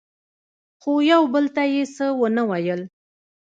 خو یو بل ته یې څه ونه ویل.